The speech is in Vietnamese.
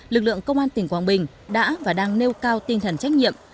lực lượng công an tỉnh quảng bình đã và đang nêu cao tinh thần trách nhiệm